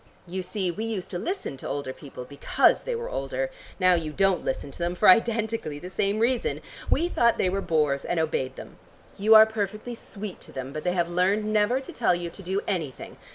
You see we used to listen to older people because they were older; now you don't listen to them, for identically the same reason. We thought they were bores and obeyed them; you are perfectly sweet to them, but they have learned never to tell you to do anything.